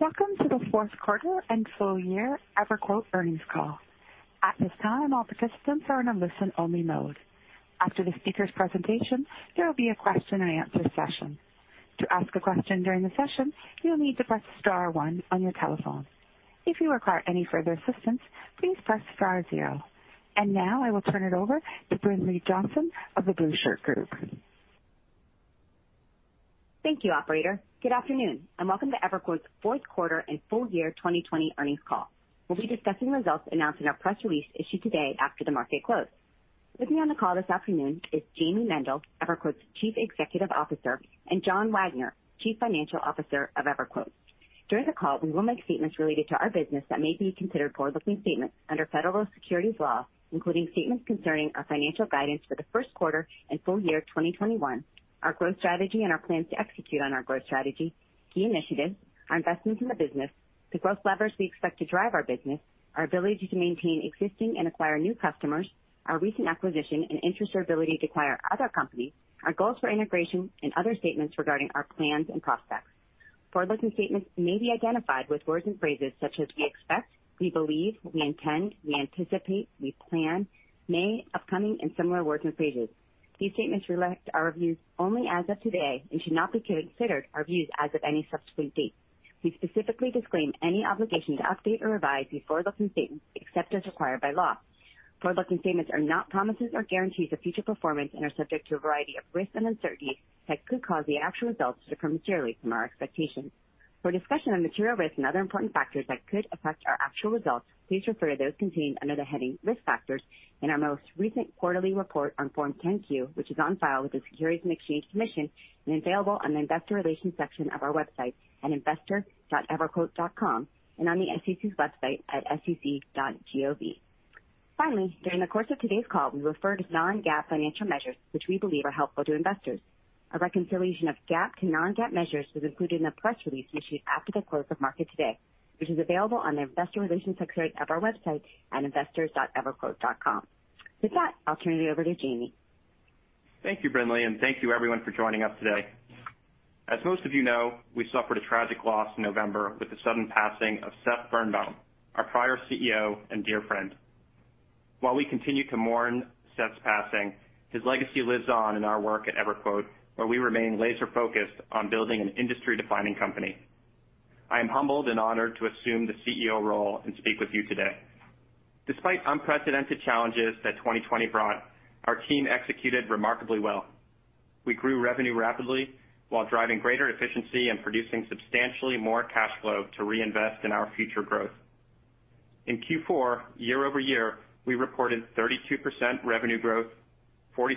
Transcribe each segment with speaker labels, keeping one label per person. Speaker 1: Welcome to the Fourth Quarter and full year EverQuote Earnings Call. At this time all participants are in a listen-only mode. After the speakers presentation there will be a question-and-answer session. To ask a question during the session you'll need to press star one on your telephone. If you require any further assistance please press star zero. Now I will turn it over to Brinlea Johnson of The Blueshirt Group.
Speaker 2: Thank you, operator. Good afternoon, and welcome to EverQuote's fourth quarter and full year 2020 earnings call. We'll be discussing results announced in our press release issued today after the market closed. With me on the call this afternoon is Jayme Mendal, EverQuote's Chief Executive Officer, and John Wagner, Chief Financial Officer of EverQuote. During the call, we will make statements related to our business that may be considered forward-looking statements under federal securities law, including statements concerning our financial guidance for the first quarter and full year 2021, our growth strategy and our plans to execute on our growth strategy, key initiatives, our investments in the business, the growth levers we expect to drive our business, our ability to maintain existing and acquire new customers, our recent acquisition, and interest or ability to acquire other companies, our goals for integration, and other statements regarding our plans and prospects. Forward-looking statements may be identified with words and phrases such as we expect, we believe, we intend, we anticipate, we plan, may, upcoming, and similar words and phrases. These statements reflect our views only as of today and should not be considered our views as of any subsequent date. We specifically disclaim any obligation to update or revise these forward-looking statements except as required by law. Forward-looking statements are not promises or guarantees of future performance and are subject to a variety of risks and uncertainties that could cause the actual results to differ materially from our expectations. For a discussion on material risks and other important factors that could affect our actual results, please refer to those contained under the heading Risk Factors in our most recent quarterly report on Form 10-Q, which is on file with the Securities and Exchange Commission and available on the Investor Relations section of our website at investor.everquote.com and on the SEC's website at sec.gov. Finally, during the course of today's call, we refer to non-GAAP financial measures, which we believe are helpful to investors. A reconciliation of GAAP to non-GAAP measures was included in the press release issued after the close of market today, which is available on the Investor Relations section of our website at investors.everquote.com. With that, I'll turn it over to Jayme.
Speaker 3: Thank you, Brinlea, and thank you everyone for joining us today. As most of you know, we suffered a tragic loss in November with the sudden passing of Seth Birnbaum, our prior CEO and dear friend. While we continue to mourn Seth's passing, his legacy lives on in our work at EverQuote, where we remain laser-focused on building an industry-defining company. I am humbled and honored to assume the CEO role and speak with you today. Despite unprecedented challenges that 2020 brought, our team executed remarkably well. We grew revenue rapidly while driving greater efficiency and producing substantially more cash flow to reinvest in our future growth. In Q4, year-over-year, we reported 32% revenue growth, 46%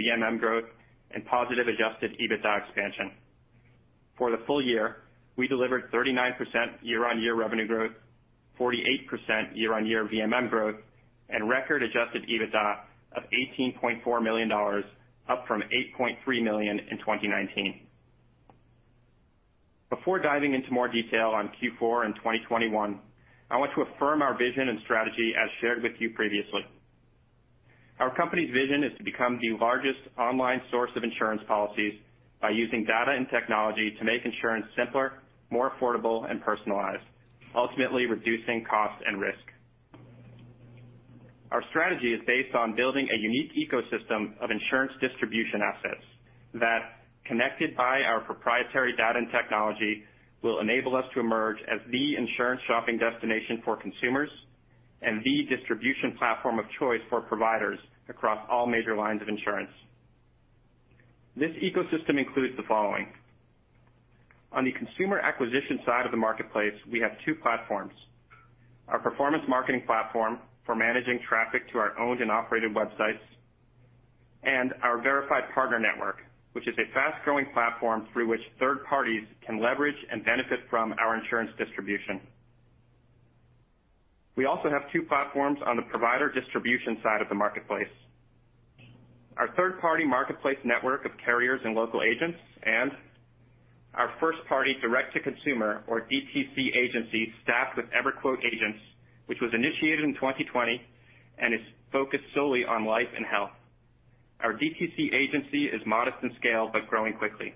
Speaker 3: VMM growth, and positive adjusted EBITDA expansion. For the full year, we delivered 39% year-on-year revenue growth, 48% year-on-year VMM growth, and record adjusted EBITDA of $18.4 million, up from $8.3 million in 2019. Before diving into more detail on Q4 and 2021, I want to affirm our vision and strategy as shared with you previously. Our company's vision is to become the largest online source of insurance policies by using data and technology to make insurance simpler, more affordable and personalized, ultimately reducing cost and risk. Our strategy is based on building a unique ecosystem of insurance distribution assets that, connected by our proprietary data and technology, will enable us to emerge as the insurance shopping destination for consumers and the distribution platform of choice for providers across all major lines of insurance. This ecosystem includes the following. On the consumer acquisition side of the marketplace, we have two platforms, our performance marketing platform for managing traffic to our owned and operated websites, and our Verified Partner Network, which is a fast-growing platform through which third parties can leverage and benefit from our insurance distribution. We also have two platforms on the provider distribution side of the marketplace, our third-party marketplace network of carriers and local agents, and our first party direct-to-consumer, or DTC agency, staffed with EverQuote agents, which was initiated in 2020 and is focused solely on life and health. Our DTC agency is modest in scale but growing quickly.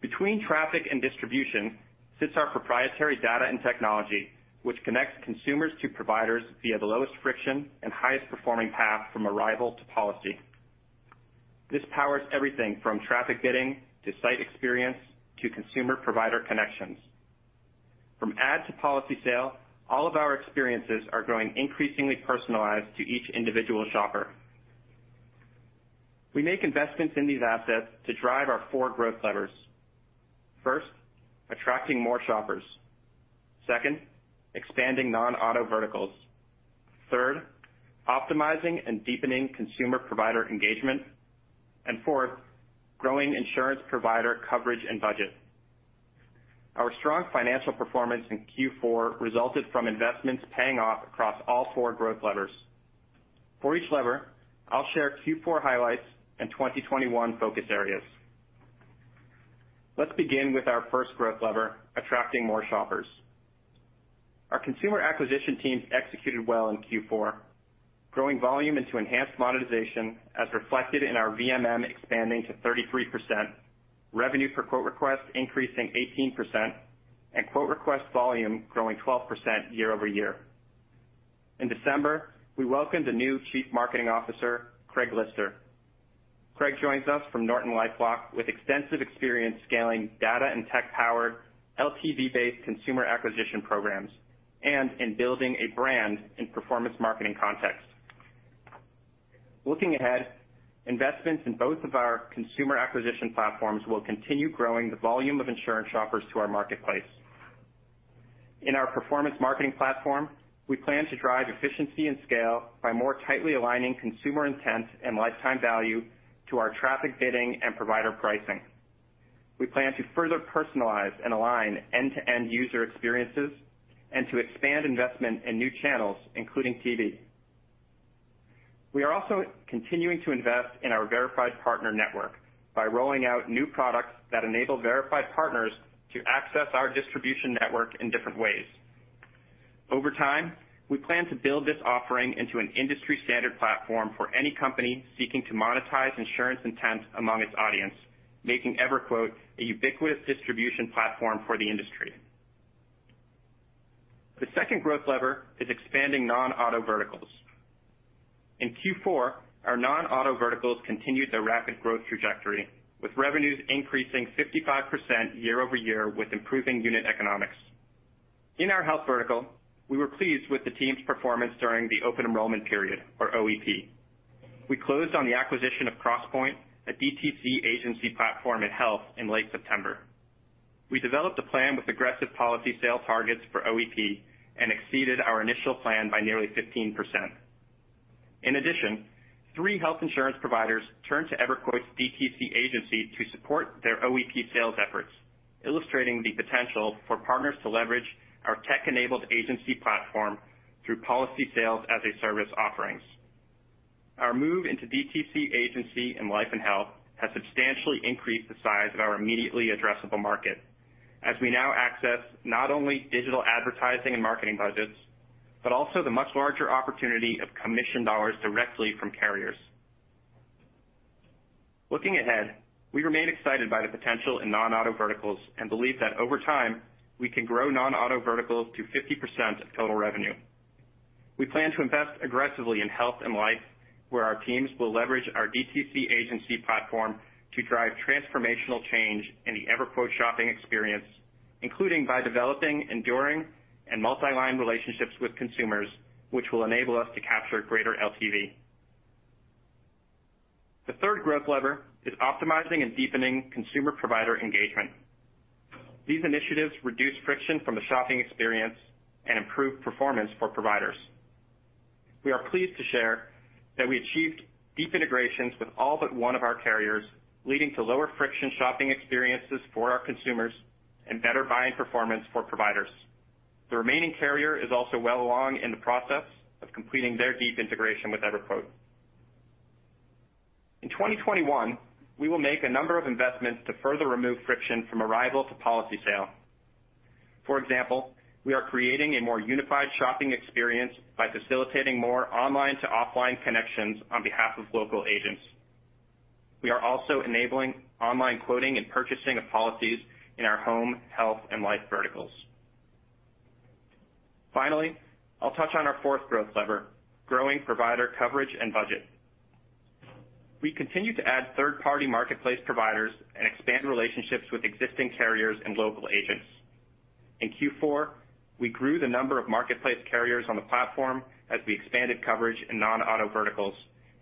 Speaker 3: Between traffic and distribution sits our proprietary data and technology, which connects consumers to providers via the lowest friction and highest performing path from arrival to policy. This powers everything from traffic getting to site experience to consumer provider connections. From ad to policy sale, all of our experiences are growing increasingly personalized to each individual shopper. We make investments in these assets to drive our four growth levers. First, attracting more shoppers. Second, expanding non-auto verticals. Third, optimizing and deepening consumer provider engagement. Fourth, growing insurance provider coverage and budget. Our strong financial performance in Q4 resulted from investments paying off across all four growth levers. For each lever, I'll share Q4 highlights and 2021 focus areas. Let's begin with our first growth lever, attracting more shoppers. Our consumer acquisition teams executed well in Q4, growing volume into enhanced monetization as reflected in our VMM expanding to 33%, revenue per quote request increasing 18%, and quote request volume growing 12% year-over-year. In December, we welcomed a new Chief Marketing Officer, Craig Lister. Craig joins us from NortonLifeLock with extensive experience scaling data and tech-powered LTV-based consumer acquisition programs, and in building a brand in performance marketing context. Looking ahead, investments in both of our consumer acquisition platforms will continue growing the volume of insurance shoppers to our marketplace. In our performance marketing platform, we plan to drive efficiency and scale by more tightly aligning consumer intent and lifetime value to our traffic bidding and provider pricing. We plan to further personalize and align end-to-end user experiences and to expand investment in new channels, including TV. We are also continuing to invest in our Verified Partner Network by rolling out new products that enable verified partners to access our distribution network in different ways. Over time, we plan to build this offering into an industry-standard platform for any company seeking to monetize insurance intent among its audience, making EverQuote a ubiquitous distribution platform for the industry. The second growth lever is expanding non-auto verticals. In Q4, our non-auto verticals continued their rapid growth trajectory, with revenues increasing 55% year-over-year with improving unit economics. In our health vertical, we were pleased with the team's performance during the open enrollment period, or OEP. We closed on the acquisition of Crosspointe, a DTC agency platform in health, in late September. We developed a plan with aggressive policy sales targets for OEP and exceeded our initial plan by nearly 15%. In addition, three health insurance providers turned to EverQuote's DTC agency to support their OEP sales efforts, illustrating the potential for partners to leverage our tech-enabled agency platform through policy sales as a service offerings. Our move into DTC agency in life and health has substantially increased the size of our immediately addressable market, as we now access not only digital advertising and marketing budgets, but also the much larger opportunity of commission dollars directly from carriers. Looking ahead, we remain excited by the potential in non-auto verticals and believe that over time, we can grow non-auto verticals to 50% of total revenue. We plan to invest aggressively in health and life, where our teams will leverage our DTC agency platform to drive transformational change in the EverQuote shopping experience, including by developing enduring and multi-line relationships with consumers, which will enable us to capture greater LTV. The third growth lever is optimizing and deepening consumer provider engagement. These initiatives reduce friction from the shopping experience and improve performance for providers. We are pleased to share that we achieved deep integrations with all but one of our carriers, leading to lower friction shopping experiences for our consumers and better buying performance for providers. The remaining carrier is also well along in the process of completing their deep integration with EverQuote. In 2021, we will make a number of investments to further remove friction from arrival to policy sale. For example, we are creating a more unified shopping experience by facilitating more online to offline connections on behalf of local agents. We are also enabling online quoting and purchasing of policies in our home, health, and life verticals. Finally, I'll touch on our fourth growth lever, growing provider coverage and budget. We continue to add third-party marketplace providers and expand relationships with existing carriers and local agents. In Q4, we grew the number of marketplace carriers on the platform as we expanded coverage in non-auto verticals,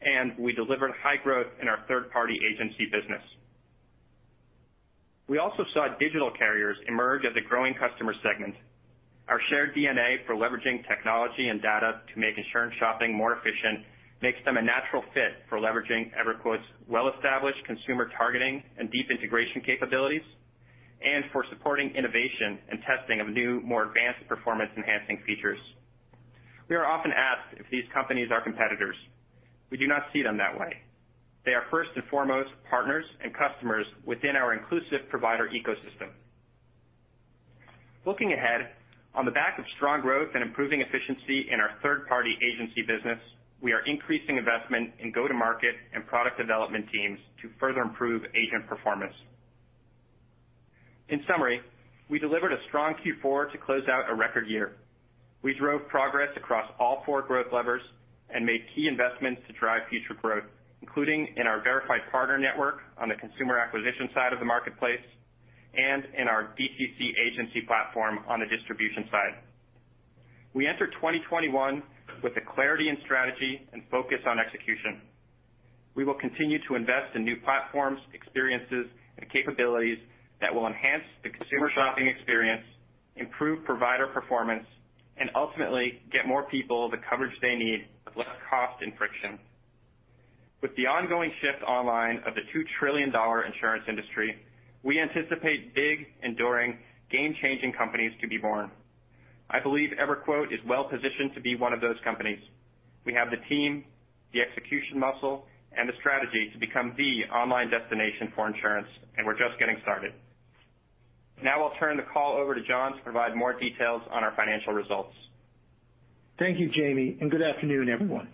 Speaker 3: and we delivered high growth in our third-party agency business. We also saw digital carriers emerge as a growing customer segment. Our shared DNA for leveraging technology and data to make insurance shopping more efficient makes them a natural fit for leveraging EverQuote's well-established consumer targeting and deep integration capabilities and for supporting innovation and testing of new, more advanced performance-enhancing features. We are often asked if these companies are competitors. We do not see them that way. They are first and foremost partners and customers within our inclusive provider ecosystem. Looking ahead, on the back of strong growth and improving efficiency in our third-party agency business, we are increasing investment in go-to-market and product development teams to further improve agent performance. In summary, we delivered a strong Q4 to close out a record year. We drove progress across all four growth levers and made key investments to drive future growth, including in our Verified Partner Network on the consumer acquisition side of the marketplace and in our DTC agency platform on the distribution side. We enter 2021 with a clarity in strategy and focus on execution. We will continue to invest in new platforms, experiences, and capabilities that will enhance the consumer shopping experience, improve provider performance, and ultimately get more people the coverage they need with less cost and friction. With the ongoing shift online of the $2 trillion insurance industry, we anticipate big, enduring, game-changing companies to be born. I believe EverQuote is well positioned to be one of those companies. We have the team, the execution muscle, and the strategy to become the online destination for insurance, and we're just getting started. I'll turn the call over to John to provide more details on our financial results.
Speaker 4: Thank you, Jayme, and good afternoon, everyone.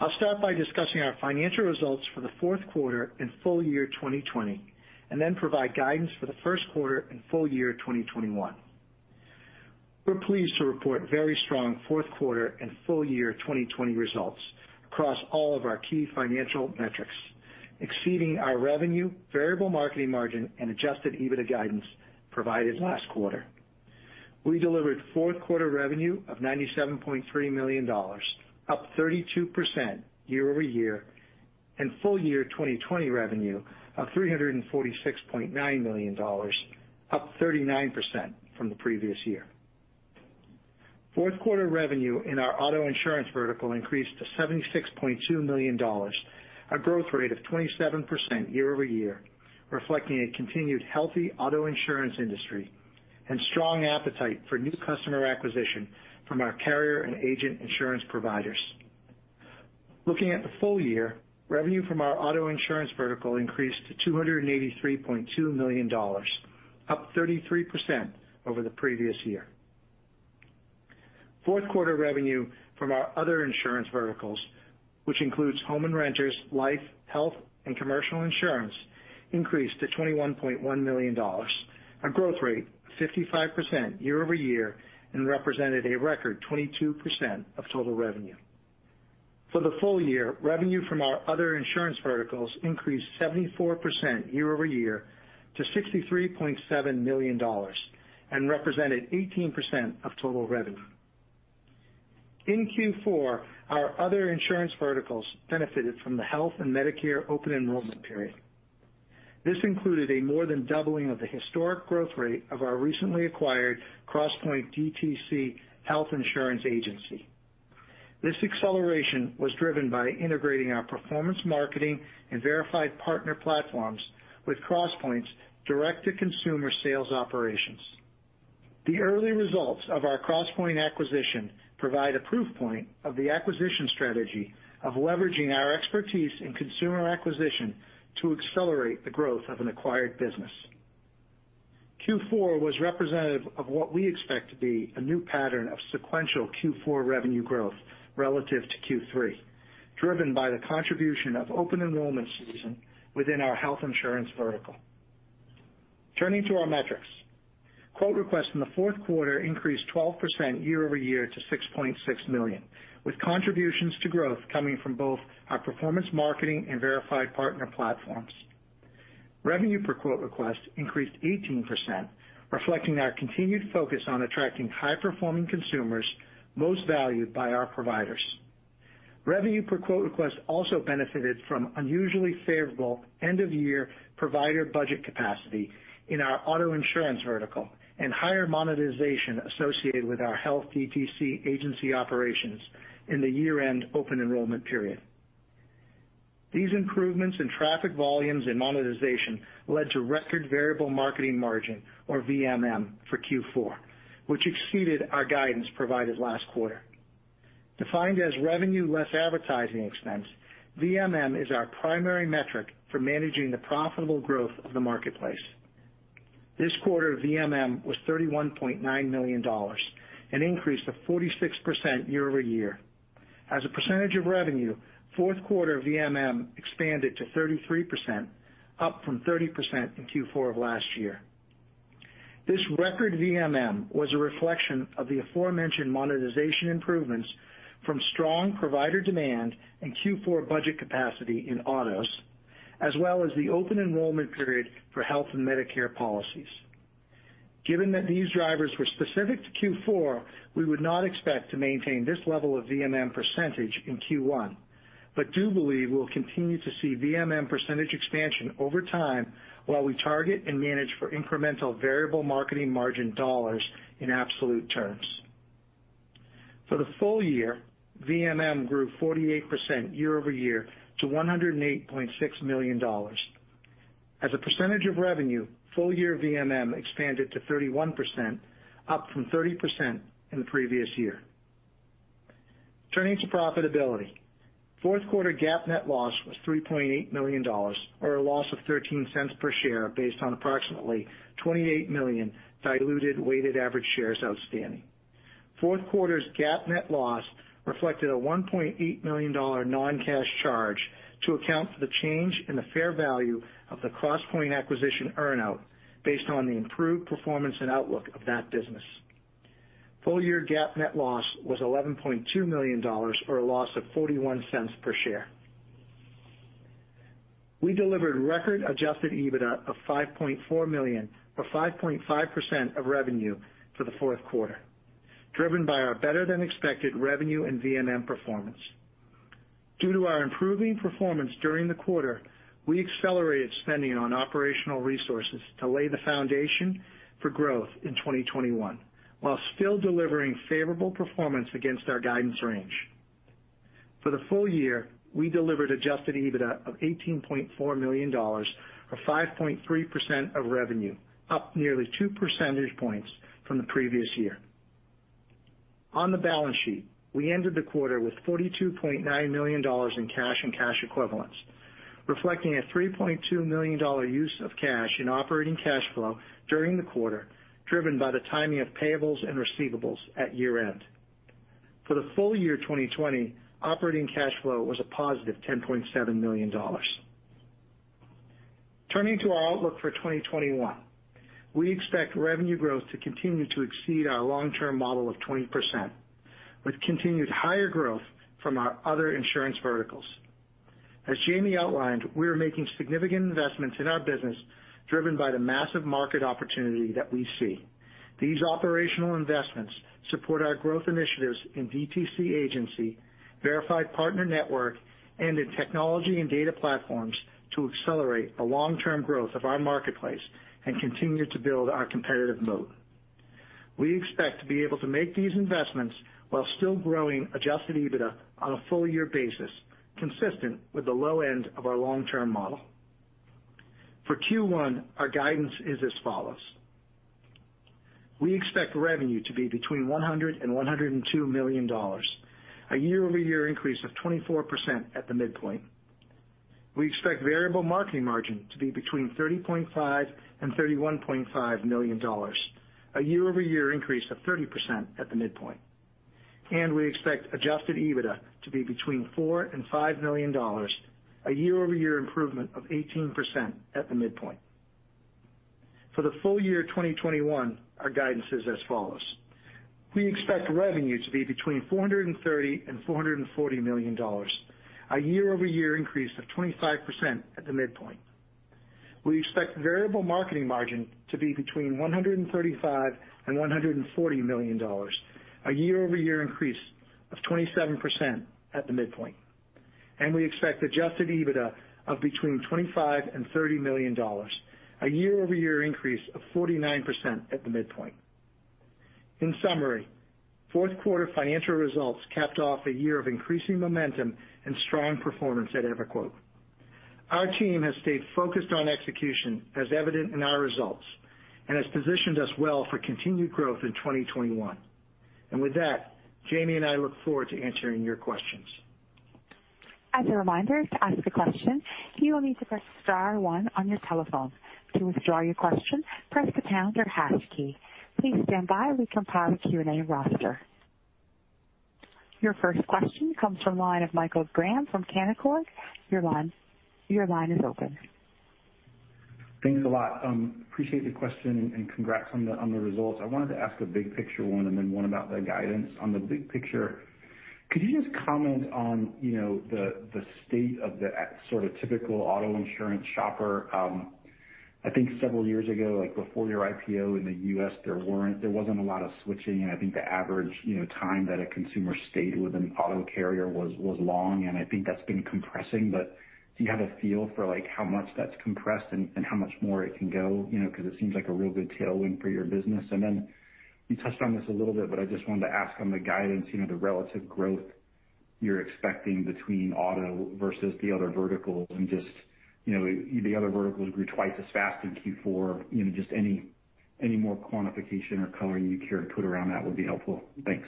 Speaker 4: I'll start by discussing our financial results for the fourth quarter and full year 2020, and then provide guidance for the first quarter and full year 2021. We're pleased to report very strong fourth quarter and full year 2020 results across all of our key financial metrics, exceeding our revenue, variable marketing margin, and adjusted EBITDA guidance provided last quarter. We delivered fourth quarter revenue of $97.3 million, up 32% year-over-year, and full year 2020 revenue of $346.9 million, up 39% from the previous year. Fourth quarter revenue in our auto insurance vertical increased to $76.2 million, a growth rate of 27% year-over-year, reflecting a continued healthy auto insurance industry and strong appetite for new customer acquisition from our carrier and agent insurance providers. Looking at the full year, revenue from our auto insurance vertical increased to $283.2 million, up 33% over the previous year. Fourth quarter revenue from our other insurance verticals, which includes home and renters, life, health, and commercial insurance, increased to $21.1 million, a growth rate of 55% year-over-year, and represented a record 22% of total revenue. For the full year, revenue from our other insurance verticals increased 74% year-over-year to $63.7 million and represented 18% of total revenue. In Q4, our other insurance verticals benefited from the health and Medicare open enrollment period. This included a more than doubling of the historic growth rate of our recently acquired Crosspointe DTC Health Insurance Agency. This acceleration was driven by integrating our performance marketing and Verified Partner Network with Crosspointe's direct-to-consumer sales operations. The early results of our Crosspointe acquisition provide a proof point of the acquisition strategy of leveraging our expertise in consumer acquisition to accelerate the growth of an acquired business. Q4 was representative of what we expect to be a new pattern of sequential Q4 revenue growth relative to Q3, driven by the contribution of Open Enrollment Season within our health insurance vertical. Turning to our metrics. Quote requests in the fourth quarter increased 12% year-over-year to 6.6 million, with contributions to growth coming from both our performance marketing and verified partner platforms. Revenue per quote request increased 18%, reflecting our continued focus on attracting high-performing consumers most valued by our providers. Revenue per quote request also benefited from unusually favorable end-of-year provider budget capacity in our auto insurance vertical and higher monetization associated with our health DTC agency operations in the year-end Open Enrollment Period. These improvements in traffic volumes and monetization led to record variable marketing margin, or VMM, for Q4, which exceeded our guidance provided last quarter. Defined as revenue less advertising expense, VMM is our primary metric for managing the profitable growth of the marketplace. This quarter, VMM was $31.9 million, an increase of 46% year-over-year. As a percentage of revenue, fourth quarter VMM expanded to 33%, up from 30% in Q4 of last year. This record VMM was a reflection of the aforementioned monetization improvements from strong provider demand and Q4 budget capacity in autos, as well as the open enrollment period for health and Medicare policies. Given that these drivers were specific to Q4, we would not expect to maintain this level of VMM percentage in Q1, but do believe we'll continue to see VMM percentage expansion over time while we target and manage for incremental variable marketing margin dollars in absolute terms. For the full year, VMM grew 48% year-over-year to $108.6 million. As a percentage of revenue, full year VMM expanded to 31%, up from 30% in the previous year. Turning to profitability. Fourth quarter GAAP net loss was $3.8 million, or a loss of $0.13 per share, based on approximately 28 million diluted weighted average shares outstanding. Fourth quarter's GAAP net loss reflected a $1.8 million non-cash charge to account for the change in the fair value of the Crosspointe acquisition earn-out, based on the improved performance and outlook of that business. Full year GAAP net loss was $11.2 million, or a loss of $0.41 per share. We delivered record adjusted EBITDA of $5.4 million, or 5.5% of revenue for the fourth quarter, driven by our better-than-expected revenue and VMM performance. Due to our improving performance during the quarter, we accelerated spending on operational resources to lay the foundation for growth in 2021, while still delivering favorable performance against our guidance range. For the full year, we delivered adjusted EBITDA of $18.4 million, or 5.3% of revenue, up nearly 2 percentage points from the previous year. On the balance sheet, we ended the quarter with $42.9 million in cash and cash equivalents, reflecting a $3.2 million use of cash in operating cash flow during the quarter, driven by the timing of payables and receivables at year-end. For the full year 2020, operating cash flow was a positive $10.7 million. Turning to our outlook for 2021, we expect revenue growth to continue to exceed our long-term model of 20%, with continued higher growth from our other insurance verticals. As Jayme outlined, we are making significant investments in our business, driven by the massive market opportunity that we see. These operational investments support our growth initiatives in DTC agency, Verified Partner Network, and in technology and data platforms to accelerate the long-term growth of our marketplace and continue to build our competitive moat. We expect to be able to make these investments while still growing adjusted EBITDA on a full year basis, consistent with the low end of our long-term model. For Q1, our guidance is as follows. We expect revenue to be between $100 million and $102 million, a year-over-year increase of 24% at the midpoint. We expect variable marketing margin to be between $30.5 million and $31.5 million, a year-over-year increase of 30% at the midpoint. We expect adjusted EBITDA to be between $4 million and $5 million, a year-over-year improvement of 18% at the midpoint. For the full year 2021, our guidance is as follows. We expect revenue to be between $430 million and $440 million, a year-over-year increase of 25% at the midpoint. We expect variable marketing margin to be between $135 million and $140 million, a year-over-year increase of 27% at the midpoint. We expect adjusted EBITDA of between $25 million and $30 million, a year-over-year increase of 49% at the midpoint. In summary, fourth quarter financial results capped off a year of increasing momentum and strong performance at EverQuote. Our team has stayed focused on execution, as evident in our results, and has positioned us well for continued growth in 2021. With that, Jayme and I look forward to answering your questions.
Speaker 1: As a reminder to ask a question you will need to press star one on your telephone. To withdraw your question press the pound or hash key. Please standby we compile the Q&A roster Your first question comes from the line of Michael Graham from Canaccord. Your line is open.
Speaker 5: Thanks a lot. Appreciate the question, congrats on the results. I wanted to ask a big picture one and then one about the guidance. On the big picture, could you just comment on the state of the sort of typical auto insurance shopper? I think several years ago, like before your IPO in the U.S., there wasn't a lot of switching, and I think the average time that a consumer stayed with an auto carrier was long, and I think that's been compressing. Do you have a feel for how much that's compressed and how much more it can go? It seems like a real good tailwind for your business. You touched on this a little bit. I just wanted to ask on the guidance, the relative growth you're expecting between auto versus the other verticals, and the other verticals grew twice as fast in Q4. Any more quantification or color you care to put around that would be helpful. Thanks.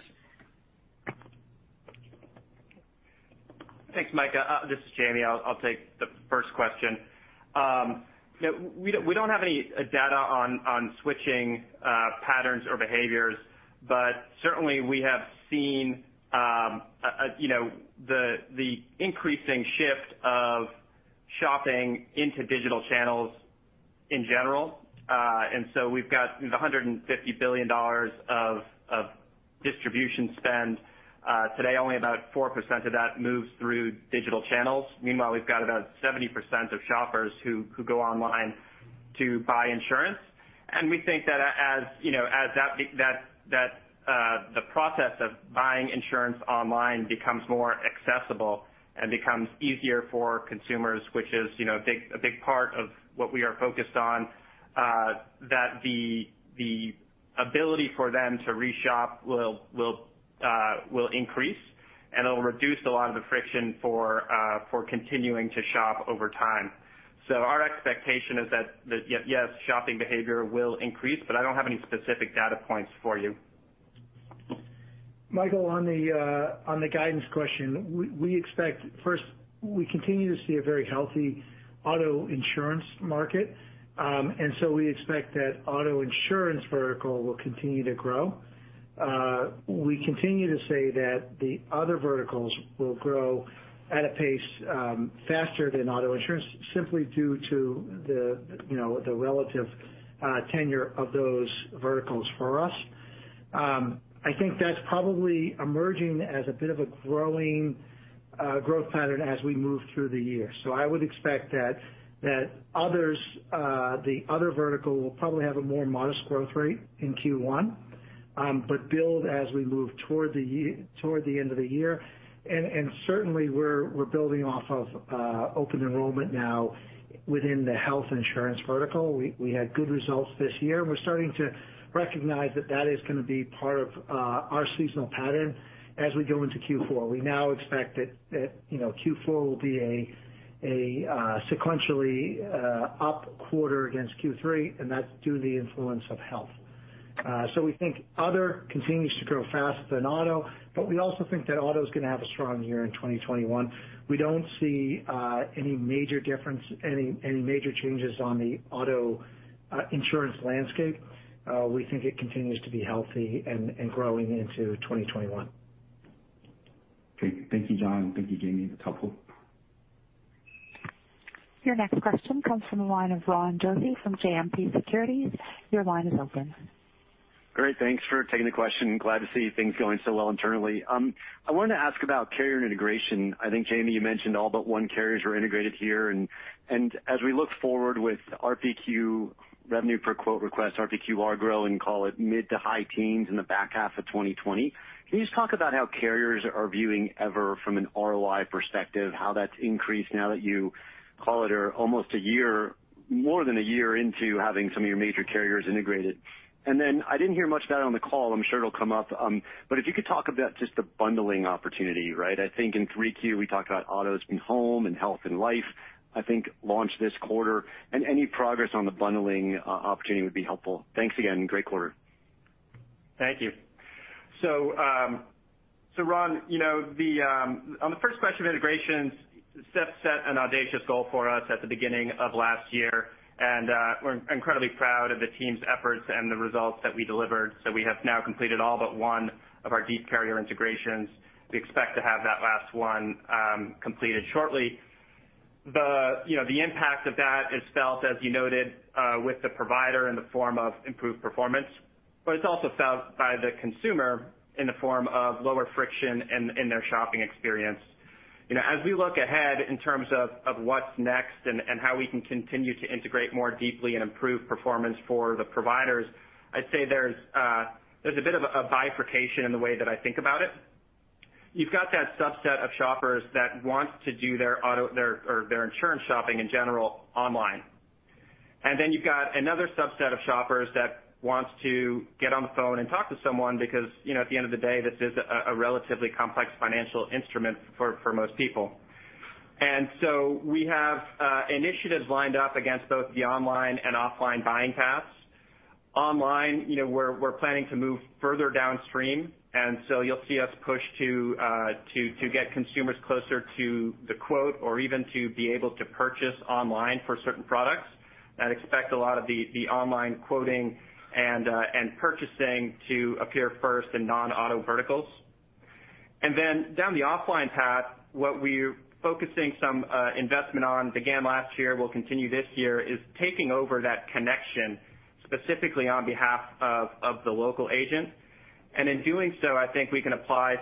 Speaker 3: Thanks, Mike. This is Jayme. I'll take the first question. We don't have any data on switching patterns or behaviors. Certainly we have seen the increasing shift of shopping into digital channels in general. We've got $150 billion of distribution spend. Today, only about 4% of that moves through digital channels. Meanwhile, we've got about 70% of shoppers who go online to buy insurance. We think that as the process of buying insurance online becomes more accessible and becomes easier for consumers, which is a big part of what we are focused on, that the ability for them to reshop will increase, and it'll reduce a lot of the friction for continuing to shop over time. Our expectation is that, yes, shopping behavior will increase, but I don't have any specific data points for you.
Speaker 4: Michael, on the guidance question, we expect, first, we continue to see a very healthy auto insurance market. We expect that auto insurance vertical will continue to grow. We continue to say that the other verticals will grow at a pace faster than auto insurance, simply due to the relative tenure of those verticals for us. I think that's probably emerging as a bit of a growing growth pattern as we move through the year. I would expect that the other vertical will probably have a more modest growth rate in Q1, but build as we move toward the end of the year. Certainly we're building off of open enrollment now within the health insurance vertical. We had good results this year, and we're starting to recognize that that is going to be part of our seasonal pattern as we go into Q4. We now expect that Q4 will be a sequentially up quarter against Q3, and that's due to the influence of health. We think other continues to grow faster than auto, but we also think that auto's going to have a strong year in 2021. We don't see any major changes on the auto insurance landscape. We think it continues to be healthy and growing into 2021.
Speaker 5: Great. Thank you, John. Thank you, Jayme. A couple.
Speaker 1: Your next question comes from the line of Ron Josey from JMP Securities. Your line is open.
Speaker 6: Great. Thanks for taking the question. Glad to see things going so well internally. I wanted to ask about carrier integration. I think, Jayme, you mentioned all but one carriers were integrated here, and as we look forward with RPQ, revenue per quote request, RPQR grow, and call it mid-to-high teens in the back half of 2020, can you just talk about how carriers are viewing EverQuote from an ROI perspective, how that's increased now that you, call it, are more than a year into having some of your major carriers integrated. Then I didn't hear much about it on the call, I'm sure it'll come up, but if you could talk about just the bundling opportunity, right? I think in 3Q we talked about auto, home and health and life, I think launched this quarter. Any progress on the bundling opportunity would be helpful. Thanks again. Great quarter.
Speaker 3: Thank you. Ron, on the first question of integrations, Seth set an audacious goal for us at the beginning of last year, and we're incredibly proud of the team's efforts and the results that we delivered. We have now completed all but one of our deep carrier integrations. We expect to have that last one completed shortly. The impact of that is felt, as you noted, with the provider in the form of improved performance, it's also felt by the consumer in the form of lower friction in their shopping experience. As we look ahead in terms of what's next and how we can continue to integrate more deeply and improve performance for the providers, I'd say there's a bit of a bifurcation in the way that I think about it. You've got that subset of shoppers that want to do their insurance shopping in general online. Then you've got another subset of shoppers that wants to get on the phone and talk to someone because, at the end of the day, this is a relatively complex financial instrument for most people. So we have initiatives lined up against both the online and offline buying paths. Online, we're planning to move further downstream, and so you'll see us push to get consumers closer to the quote or even to be able to purchase online for certain products. I'd expect a lot of the online quoting and purchasing to appear first in non-auto verticals. Then down the offline path, what we're focusing some investment on, began last year, will continue this year, is taking over that connection, specifically on behalf of the local agent. In doing so, I think we can apply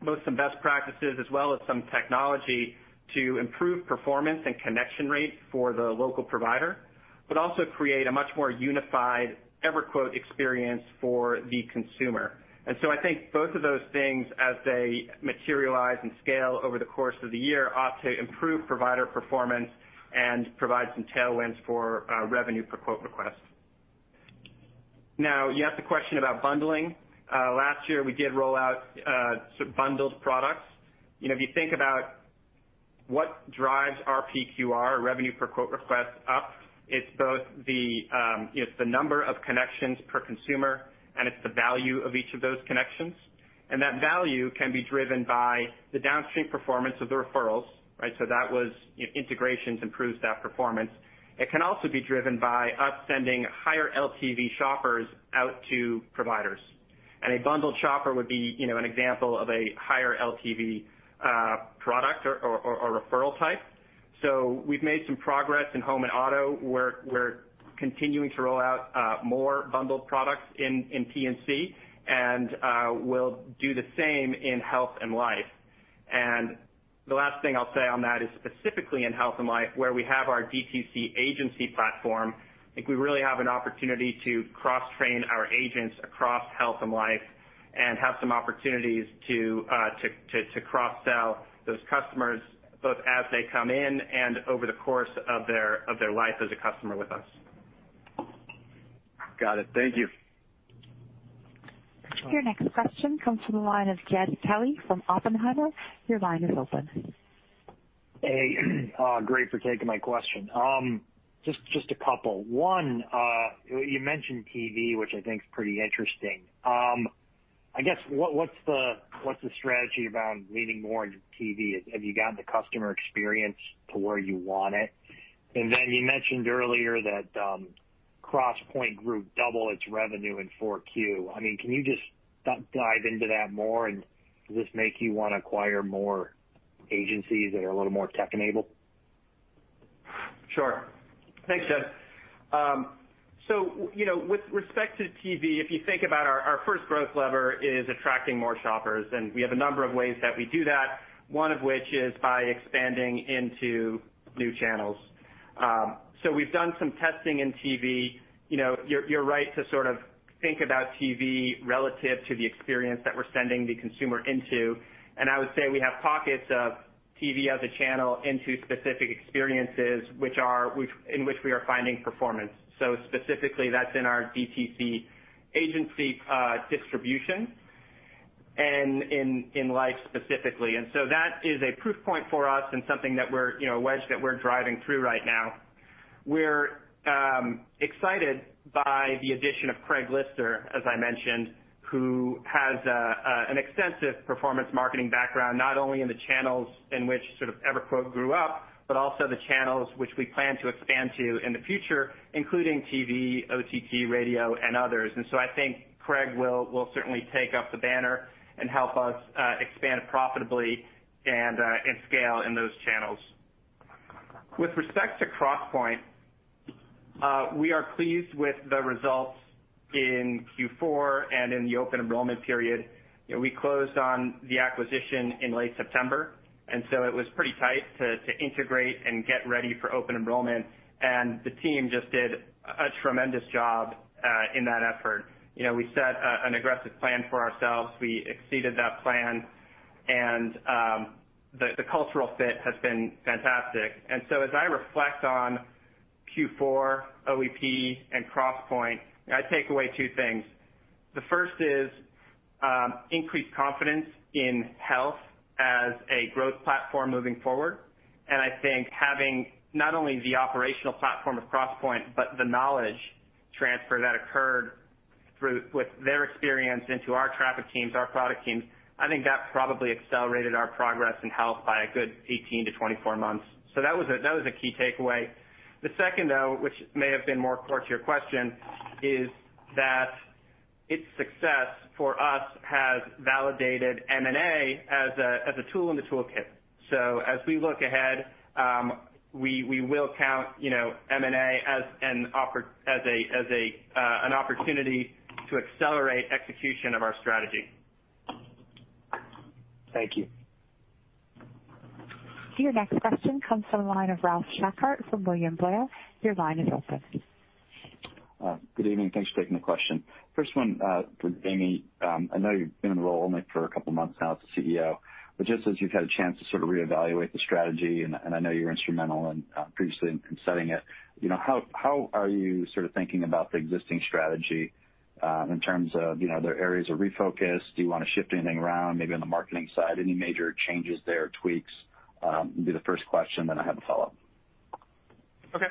Speaker 3: both some best practices as well as some technology to improve performance and connection rate for the local provider, but also create a much more unified EverQuote experience for the consumer. I think both of those things, as they materialize and scale over the course of the year, ought to improve provider performance and provide some tailwinds for revenue per quote request. Now, you asked the question about bundling. Last year, we did roll out some bundled products. If you think about what drives our RPQR, revenue per quote request, up, it's both the number of connections per consumer and it's the value of each of those connections. That value can be driven by the downstream performance of the referrals, right? That was integrations improves that performance. It can also be driven by us sending higher LTV shoppers out to providers. A bundled shopper would be an example of a higher LTV product or a referral type. We've made some progress in home and auto. We're continuing to roll out more bundled products in P&C, and we'll do the same in health and life. The last thing I'll say on that is specifically in health and life, where we have our DTC agency platform, I think we really have an opportunity to cross-train our agents across health and life and have some opportunities to cross-sell those customers, both as they come in and over the course of their life as a customer with us.
Speaker 6: Got it. Thank you.
Speaker 1: Your next question comes from the line of Jed Kelly from Oppenheimer. Your line is open.
Speaker 7: Hey. Great for taking my question. Just a couple. One, you mentioned TV, which I think is pretty interesting. What's the strategy around leaning more into TV? Have you gotten the customer experience to where you want it? Then you mentioned earlier that Crosspointe group double its revenue in 4Q. Can you just dive into that more? Does this make you want to acquire more agencies that are a little more tech-enabled?
Speaker 3: Sure. Thanks, Jed. With respect to TV, if you think about our first growth lever is attracting more shoppers, and we have a number of ways that we do that, one of which is by expanding into new channels. We've done some testing in TV. You're right to sort of think about TV relative to the experience that we're sending the consumer into. I would say we have pockets of TV as a channel into specific experiences in which we are finding performance. Specifically, that's in our DTC agency distribution. In life specifically. That is a proof point for us and something that we're, a wedge that we're driving through right now. We're excited by the addition of Craig Lister, as I mentioned, who has an extensive performance marketing background, not only in the channels in which EverQuote grew up, but also the channels which we plan to expand to in the future, including TV, OTT, radio, and others. I think Craig will certainly take up the banner and help us expand profitably and scale in those channels. With respect to Crosspointe, we are pleased with the results in Q4 and in the open enrollment period. We closed on the acquisition in late September, and so it was pretty tight to integrate and get ready for open enrollment, and the team just did a tremendous job in that effort. We set an aggressive plan for ourselves. We exceeded that plan, and the cultural fit has been fantastic. As I reflect on Q4, OEP, and Crosspointe, I take away two things. The first is increased confidence in health as a growth platform moving forward. I think having not only the operational platform of Crosspointe, but the knowledge transfer that occurred with their experience into our traffic teams, our product teams, I think that probably accelerated our progress in health by a good 18-24 months. That was a key takeaway. The second, though, which may have been more core to your question, is that its success for us has validated M&A as a tool in the toolkit. As we look ahead, we will count M&A as an opportunity to accelerate execution of our strategy.
Speaker 7: Thank you.
Speaker 1: Your next question comes from the line of Ralph Schackart from William Blair. Your line is open.
Speaker 8: Good evening. Thanks for taking the question. First one for Jayme. I know you've been in the role only for a couple of months now as the CEO, but just as you've had a chance to sort of reevaluate the strategy, and I know you were instrumental and previously in setting it, how are you thinking about the existing strategy in terms of, there are areas of refocus. Do you want to shift anything around, maybe on the marketing side? Any major changes there, tweaks? Will be the first question, then I have a follow-up.
Speaker 3: Okay.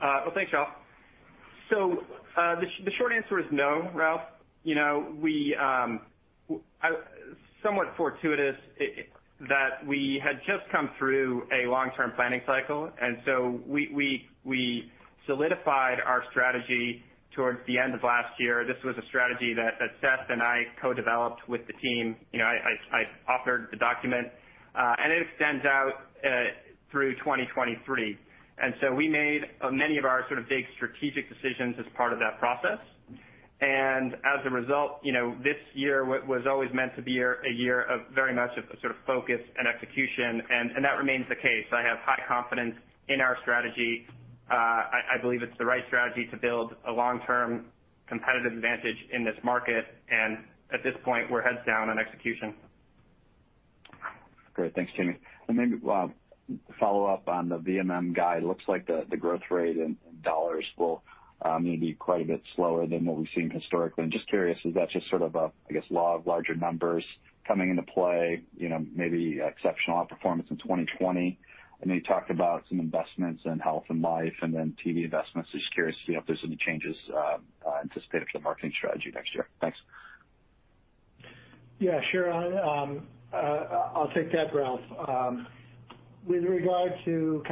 Speaker 3: Well, thanks, Ralph. The short answer is no, Ralph. Somewhat fortuitous that we had just come through a long-term planning cycle, we solidified our strategy towards the end of last year. This was a strategy that Seth and I co-developed with the team. I authored the document, it extends out through 2023. We made many of our sort of big strategic decisions as part of that process. As a result, this year was always meant to be a year of very much of sort of focus and execution, that remains the case. I have high confidence in our strategy. I believe it's the right strategy to build a long-term competitive advantage in this market. At this point, we're heads down on execution.
Speaker 8: Great. Thanks, Jayme. Maybe to follow up on the VMM guide, looks like the growth rate in dollars will maybe be quite a bit slower than what we've seen historically. Just curious, is that just sort of a, I guess, law of larger numbers coming into play, maybe exceptional outperformance in 2020? I know you talked about some investments in health and life and then TV investments. Just curious to see if there's any changes to the state of the marketing strategy next year. Thanks.
Speaker 4: Yeah, sure. I'll take that, Ralph. With regard to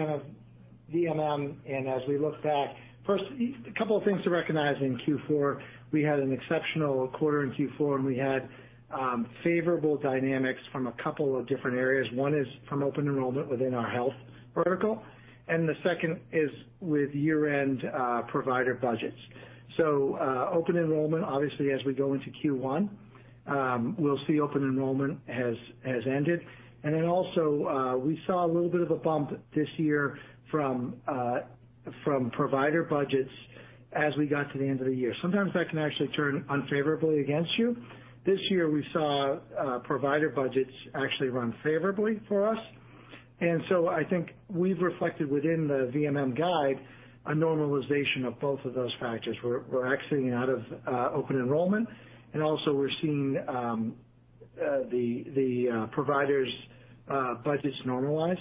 Speaker 4: VMM and as we look back, first, a couple of things to recognize in Q4. We had an exceptional quarter in Q4, and we had favorable dynamics from a couple of different areas. One is from open enrollment within our health vertical, and the second is with year-end provider budgets. Open enrollment, obviously, as we go into Q1, we'll see open enrollment has ended. Then also, we saw a little bit of a bump this year from provider budgets as we got to the end of the year. Sometimes that can actually turn unfavorably against you. This year, we saw provider budgets actually run favorably for us. I think we've reflected within the VMM guide a normalization of both of those factors. We're exiting out of open enrollment, and also we're seeing the providers' budgets normalize.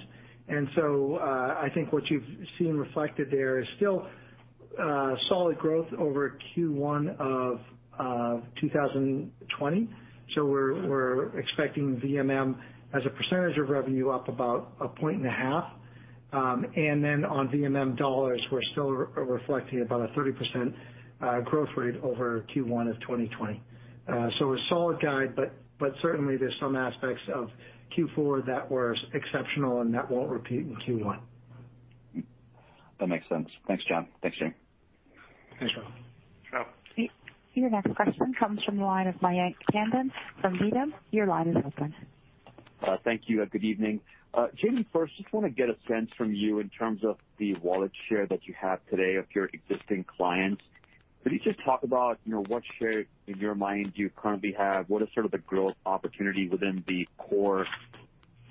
Speaker 4: I think what you've seen reflected there is still solid growth over Q1 of 2020. We're expecting VMM as a percentage of revenue up about 1.5 points. On VMM dollars, we're still reflecting about a 30% growth rate over Q1 of 2020. A solid guide, but certainly, there's some aspects of Q4 that were exceptional and that won't repeat in Q1
Speaker 8: That makes sense. Thanks, John. Thanks, Jayme.
Speaker 4: Thanks, Ralph.
Speaker 3: Sure.
Speaker 1: Your next question comes from the line of Mayank Tandon from Needham. Your line is open.
Speaker 9: Thank you, and good evening. Jayme, first, just want to get a sense from you in terms of the wallet share that you have today of your existing clients. Could you just talk about what share, in your mind, do you currently have? What is sort of the growth opportunity within the core,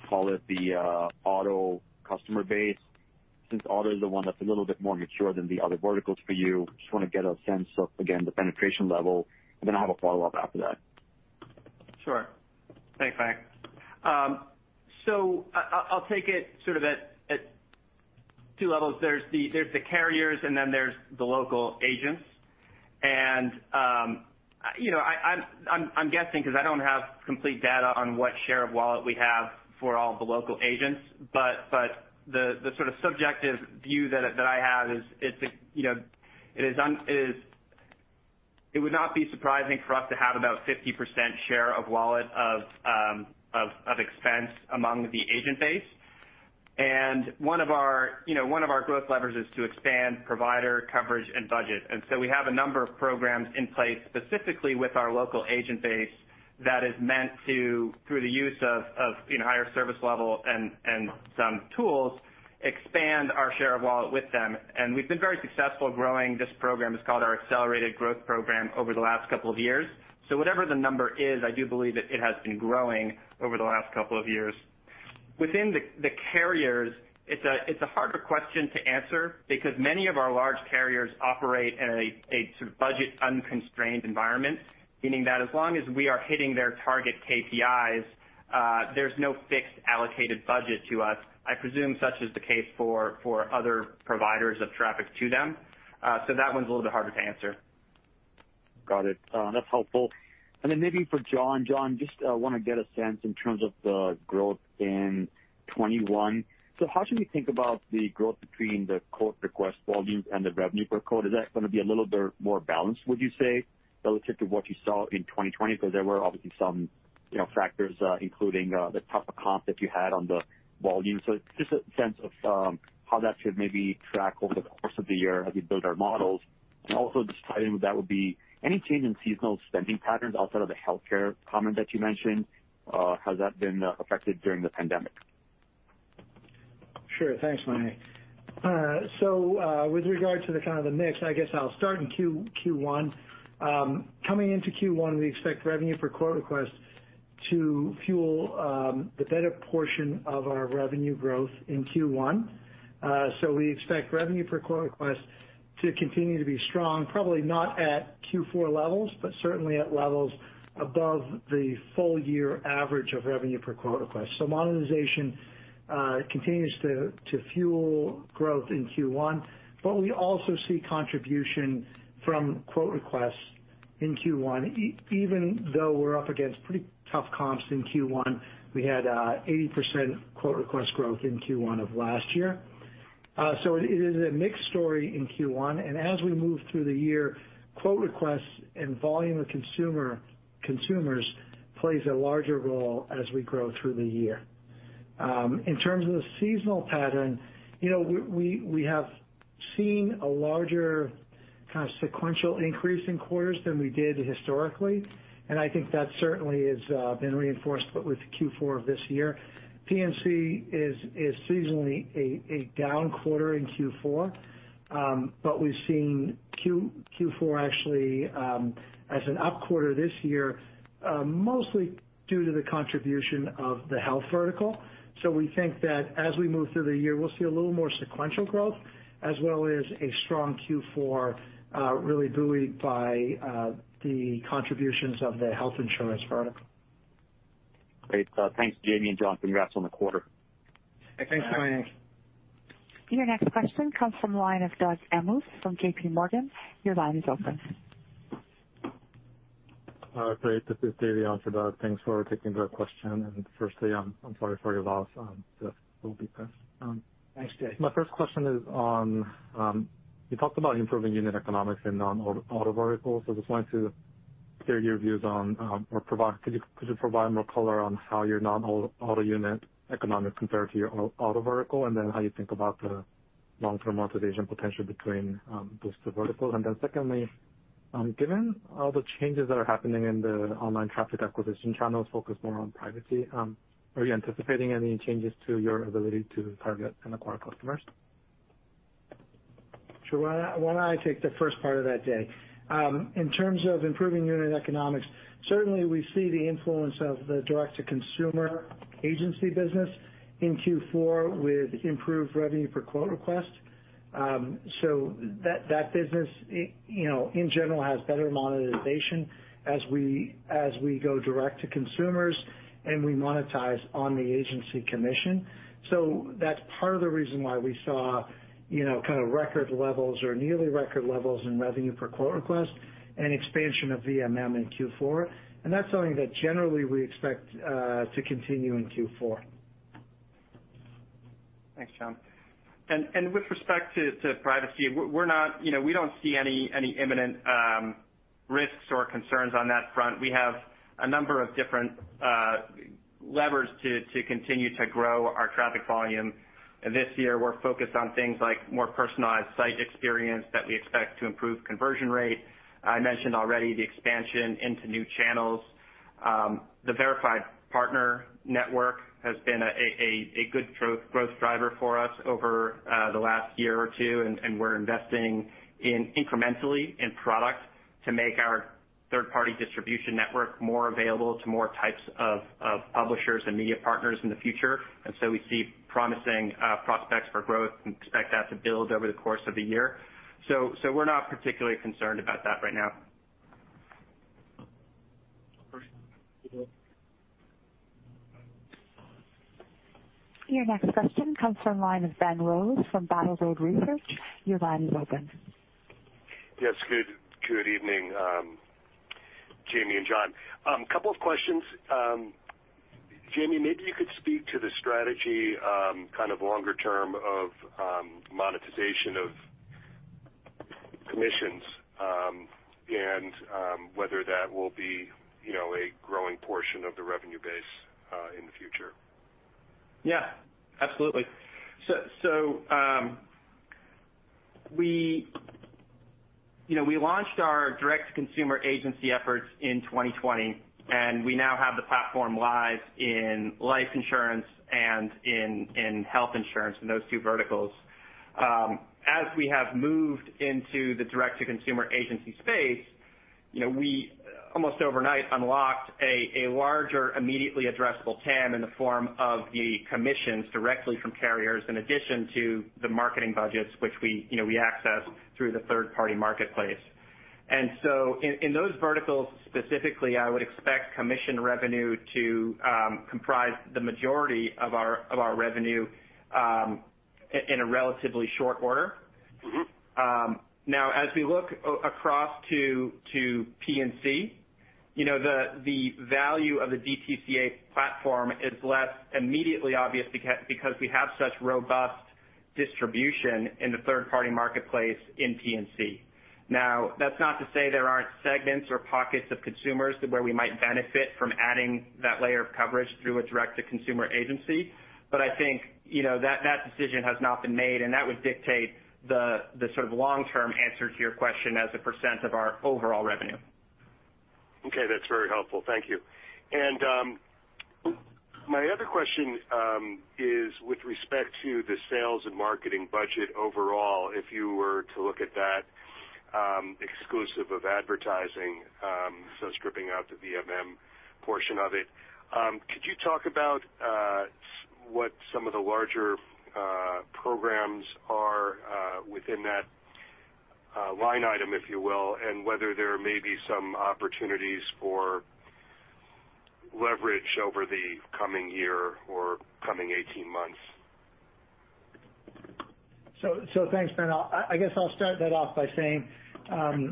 Speaker 9: call it the auto customer base, since auto is the one that's a little bit more mature than the other verticals for you. Just want to get a sense of, again, the penetration level, and then I'll have a follow-up after that.
Speaker 3: Sure. Thanks, Mayank. I'll take it sort of at two levels. There's the carriers, and then there's the local agents. I'm guessing, because I don't have complete data on what share of wallet we have for all the local agents, but the sort of subjective view that I have is it would not be surprising for us to have about 50% share of wallet of expense among the agent base. One of our growth levers is to expand provider coverage and budget. We have a number of programs in place, specifically with our local agent base that is meant to, through the use of higher service level and some tools, expand our share of wallet with them. We've been very successful growing this program, it's called our Accelerated Growth Program, over the last couple of years. Whatever the number is, I do believe that it has been growing over the last couple of years. Within the carriers, it's a harder question to answer because many of our large carriers operate in a sort of budget-unconstrained environment, meaning that as long as we are hitting their target KPIs, there's no fixed allocated budget to us. I presume such is the case for other providers of traffic to them. That one's a little bit harder to answer.
Speaker 9: Got it. That's helpful. Maybe for John. John, just want to get a sense in terms of the growth in 2021. How should we think about the growth between the quote request volume and the revenue per quote? Is that going to be a little bit more balanced, would you say, relative to what you saw in 2020? Because there were obviously some factors, including the tougher comp that you had on the volume. Just a sense of how that should maybe track over the course of the year as we build our models. Also just tying with that would be any change in seasonal spending patterns outside of the healthcare comment that you mentioned. Has that been affected during the pandemic?
Speaker 4: Sure. Thanks, Mayank. With regard to the kind of the mix, I guess I'll start in Q1. Coming into Q1, we expect revenue per quote request to fuel the better portion of our revenue growth in Q1. We expect revenue per quote request to continue to be strong, probably not at Q4 levels, but certainly at levels above the full year average of revenue per quote request. Monetization continues to fuel growth in Q1, but we also see contribution from quote requests in Q1, even though we're up against pretty tough comps in Q1. We had 80% quote request growth in Q1 of last year. It is a mixed story in Q1, and as we move through the year, quote requests and volume of consumers plays a larger role as we grow through the year. In terms of the seasonal pattern, we have seen a larger kind of sequential increase in quarters than we did historically, and I think that certainly has been reinforced, but with Q4 of this year. P&C is seasonally a down quarter in Q4, but we have seen Q4 actually as an up quarter this year, mostly due to the contribution of the health vertical. We think that as we move through the year, we will see a little more sequential growth as well as a strong Q4 really buoyed by the contributions of the health insurance vertical.
Speaker 9: Great. Thanks, Jayme and John. Congrats on the quarter.
Speaker 3: Thanks, Mayank.
Speaker 4: Thanks, Mayank.
Speaker 1: Your next question comes from the line of Doug Anmuth from JPMorgan. Your line is open.
Speaker 10: Great. This is Dae Lee on for Doug. Thanks for taking the question. Firstly, I'm sorry for your loss on Seth. He will be missed.
Speaker 3: Thanks, Doug.
Speaker 10: My first question is on, you talked about improving unit economics in non-auto verticals. Just wanted to hear your views on or could you provide more color on how your non-auto unit economics compare to your auto vertical? How you think about the long-term monetization potential between those two verticals. Secondly, given all the changes that are happening in the online traffic acquisition channels focused more on privacy, are you anticipating any changes to your ability to target and acquire customers?
Speaker 4: Sure. Why don't I take the first part of that, Dae? In terms of improving unit economics, certainly we see the influence of the direct-to-consumer agency business in Q4 with improved revenue per quote request. That business in general has better monetization as we go direct to consumers, and we monetize on the agency commission. That's part of the reason why we saw kind of record levels or nearly record levels in revenue per quote request and expansion of VMM in Q4. That's something that generally we expect to continue in Q4.
Speaker 3: Thanks, John. With respect to privacy, we don't see any imminent risks or concerns on that front. We have a number of different levers to continue to grow our traffic volume. This year, we're focused on things like more personalized site experience that we expect to improve conversion rate. I mentioned already the expansion into new channels. The Verified Partner Network has been a good growth driver for us over the last year or two, and we're investing incrementally in product to make our third-party distribution network more available to more types of publishers and media partners in the future. We see promising prospects for growth and expect that to build over the course of the year. We're not particularly concerned about that right now.
Speaker 1: Your next question comes from the line of Ben Rose from Battle Road Research. Your line is open.
Speaker 11: Yes. Good evening, Jayme and John. Couple of questions. Jayme, maybe you could speak to the strategy, kind of longer term of monetization of commissions, and whether that will be a growing portion of the revenue base in the future.
Speaker 3: Yeah, absolutely. We launched our Direct-To-Consumer Agency efforts in 2020, and we now have the platform live in life insurance and in health insurance, in those two verticals. As we have moved into the Direct-To-Consumer Agency space, we, almost overnight, unlocked a larger, immediately addressable TAM in the form of the commissions directly from carriers in addition to the marketing budgets, which we access through the third-party marketplace. In those verticals specifically, I would expect commission revenue to comprise the majority of our revenue in a relatively short order. As we look across to P&C, the value of the DTCA platform is less immediately obvious because we have such robust distribution in the third-party marketplace in P&C. That's not to say there aren't segments or pockets of consumers where we might benefit from adding that layer of coverage through a Direct-To-Consumer Agency. I think that decision has not been made, and that would dictate the sort of long-term answer to your question as a percent of our overall revenue.
Speaker 11: Okay. That's very helpful. Thank you. My other question is with respect to the sales and marketing budget overall, if you were to look at that, exclusive of advertising, so stripping out the VMM portion of it. Could you talk about what some of the larger programs are within that line item, if you will, and whether there may be some opportunities for leverage over the coming year or coming 18 months?
Speaker 4: Thanks, Ben. I guess I'll start that off by saying the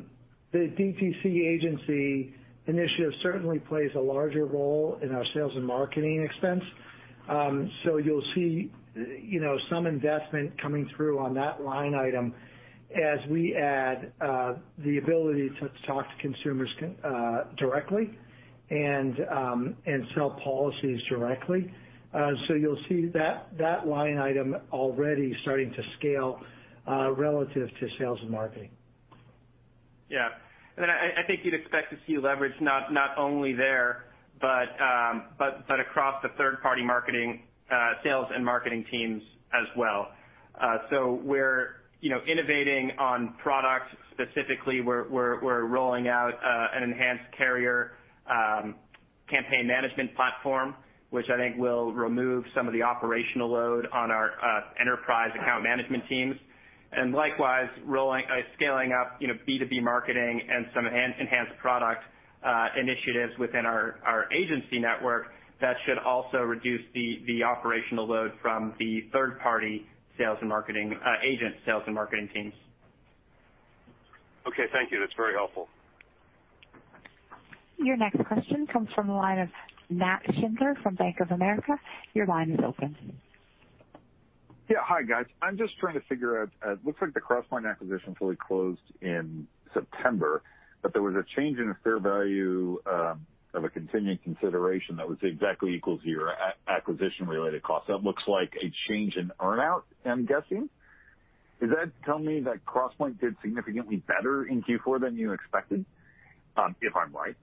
Speaker 4: DTC agency initiative certainly plays a larger role in our sales and marketing expense. You'll see some investment coming through on that line item as we add the ability to talk to consumers directly and sell policies directly. You'll see that line item already starting to scale relative to sales and marketing.
Speaker 3: Yeah. I think you'd expect to see leverage not only there, but across the third-party sales and marketing teams as well. We're innovating on products. Specifically, we're rolling out an enhanced carrier campaign management platform, which I think will remove some of the operational load on our enterprise account management teams. Likewise, scaling up B2B marketing and some enhanced product initiatives within our agency network that should also reduce the operational load from the third-party agent sales and marketing teams.
Speaker 11: Okay, thank you. That's very helpful.
Speaker 1: Your next question comes from the line of Nat Schindler from Bank of America. Your line is open.
Speaker 12: Yeah. Hi, guys. I'm just trying to figure out. It looks like the Crosspointe acquisition fully closed in September, but there was a change in the fair value of a contingent consideration that was exactly equal to your acquisition-related cost. That looks like a change in earn-out, I'm guessing. Does that tell me that Crosspointe did significantly better in Q4 than you expected? If I'm right.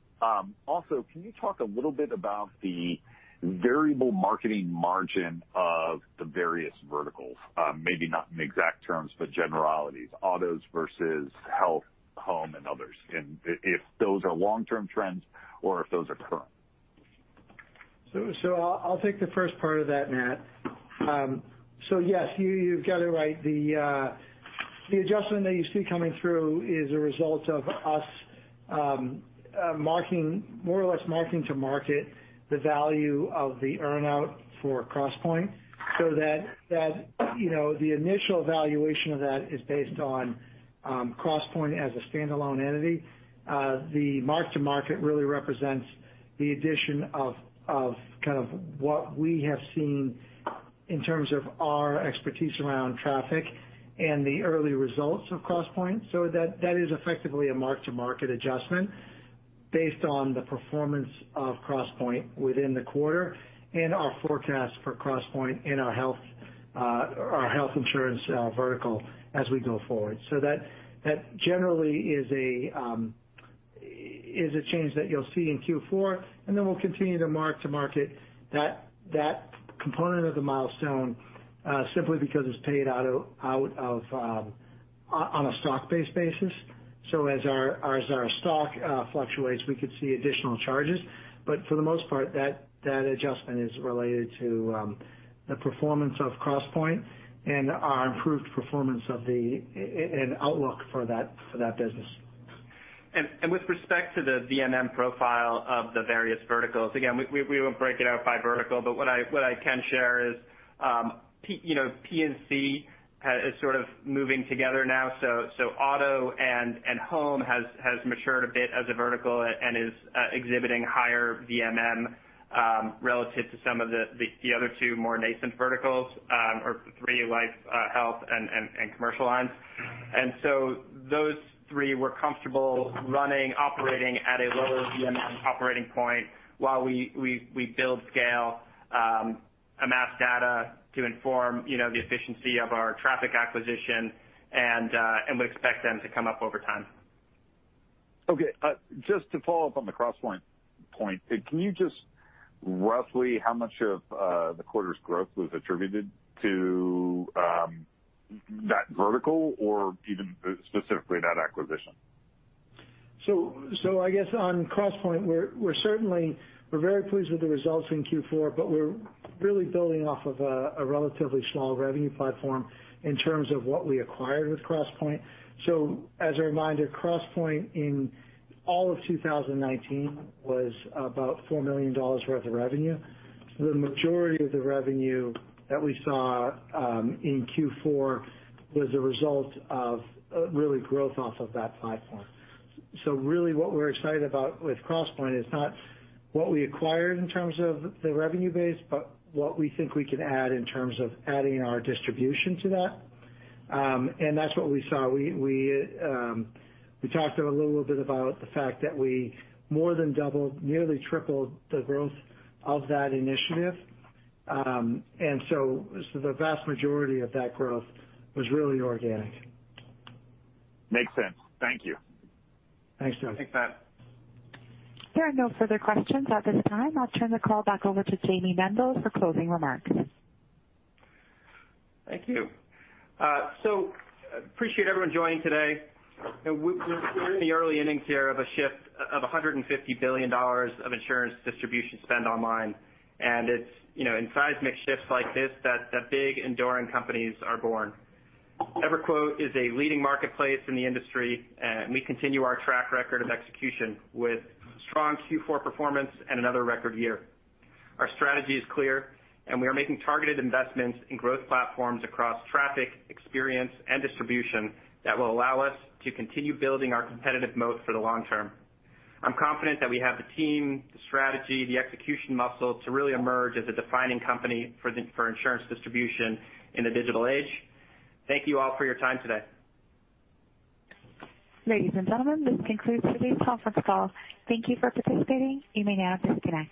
Speaker 12: Also, can you talk a little bit about the variable marketing margin of the various verticals? Maybe not in exact terms, but generalities. Autos versus health, home, and others, and if those are long-term trends or if those are current.
Speaker 4: I'll take the first part of that, Nat. Yes, you've got it right. The adjustment that you see coming through is a result of us more or less marking to market the value of the earn-out for Crosspointe. The initial valuation of that is based on Crosspointe as a standalone entity. The mark-to-market really represents the addition of what we have seen in terms of our expertise around traffic and the early results of Crosspointe. That is effectively a mark-to-market adjustment based on the performance of Crosspointe within the quarter and our forecast for Crosspointe in our health insurance vertical as we go forward. That generally is a change that you'll see in Q4, and then we'll continue to mark-to-market that component of the milestone, simply because it's paid out on a stock-based basis. As our stock fluctuates, we could see additional charges. For the most part, that adjustment is related to the performance of Crosspointe and our improved performance and outlook for that business.
Speaker 3: With respect to the VMM profile of the various verticals, again, we won't break it out by vertical, but what I can share is P&C is sort of moving together now. Auto and home has matured a bit as a vertical and is exhibiting higher VMM relative to some of the other two more nascent verticals, or three, life, health, and commercial lines. Those three we're comfortable running, operating at a lower VMM operating point while we build scale, amass data to inform the efficiency of our traffic acquisition, and we expect them to come up over time.
Speaker 12: Okay. Just to follow up on the Crosspointe point. Can you just roughly how much of the quarter's growth was attributed to that vertical or even specifically that acquisition?
Speaker 4: I guess on Crosspointe, we're very pleased with the results in Q4, but we're really building off of a relatively small revenue platform in terms of what we acquired with Crosspointe. As a reminder, Crosspointe in all of 2019 was about $4 million worth of revenue. The majority of the revenue that we saw in Q4 was a result of really growth off of that platform. Really what we're excited about with Crosspointe is not what we acquired in terms of the revenue base, but what we think we can add in terms of adding our distribution to that, and that's what we saw. We talked a little bit about the fact that we more than doubled, nearly tripled the growth of that initiative. The vast majority of that growth was really organic.
Speaker 12: Makes sense. Thank you.
Speaker 4: Thanks, Nat.
Speaker 3: Thanks, Nat.
Speaker 1: There are no further questions at this time. I'll turn the call back over to Jayme Mendal for closing remarks.
Speaker 3: Thank you. Appreciate everyone joining today. We're in the early innings here of a shift of $150 billion of insurance distribution spend online. It's in seismic shifts like this that the big enduring companies are born. EverQuote is a leading marketplace in the industry. We continue our track record of execution with strong Q4 performance and another record year. Our strategy is clear. We are making targeted investments in growth platforms across traffic, experience, and distribution that will allow us to continue building our competitive moat for the long term. I'm confident that we have the team, the strategy, the execution muscle to really emerge as a defining company for insurance distribution in the digital age. Thank you all for your time today.
Speaker 1: Ladies and gentlemen, this concludes today's conference call. Thank you for participating. You may now disconnect.